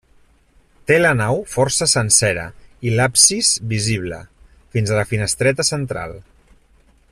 Té la nau força sencera i l'absis visible, fins a la finestreta central.